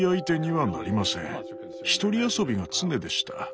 一人遊びが常でした。